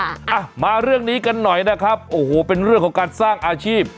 อ่ะมาเรื่องนี้กันหน่อยนะครับโอ้โหเป็นเรื่องของการสร้างอาชีพ